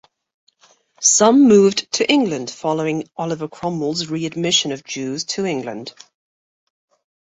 Some moved to England following Oliver Cromwell's readmission of Jews to England.